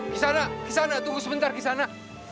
kisana tunggu sebentar kisana